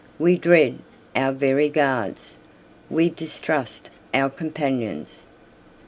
We dread our very guards, we distrust our companions.